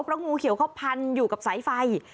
เพราะงูเขียวเขาพันอยู่กับสายไฟ